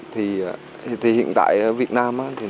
thì hiện tại việt nam